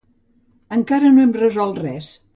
Encara no hem resolt res.